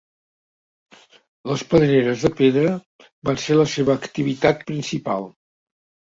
Les pedreres de pedra van ser la seva activitat principal.